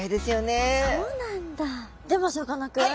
でもさかなクン！